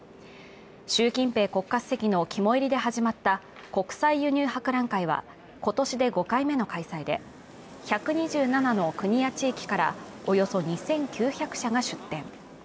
習近平国家主席の肝煎りで始まった国際輸入博覧会は今年で５回目の開催で１２７の国や地域からおよそ２９００社が出展。